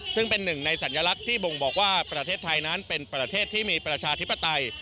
ซึ่งเป็นหนึ่งในสัญลักษณ์ที่บ่งบอกว่าประเทศไทยนั้นเป็นประเทศที่มีประชาธิปไตย